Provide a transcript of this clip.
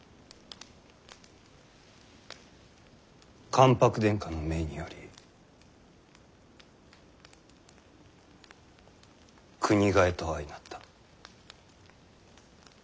関白殿下の命により国替えと相なった。